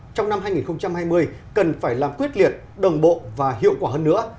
trong năm hai nghìn hai mươi cần phải làm quyết liệt đồng bộ và hiệu quả hơn nữa